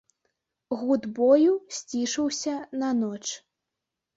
Гуд бою сцішыўся на ноч.